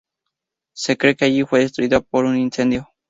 Se cree que allí fue destruida por un incendio.